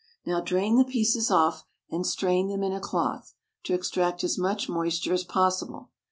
Now drain the pieces off and strain then in a cloth, to extract as much moisture as possible.